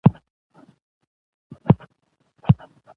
په افغانستان کې وحشي حیوانات د اعتقاداتو سره تړاو لري.